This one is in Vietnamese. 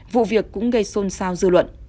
vụ việc cũng gây xôn xao dư luận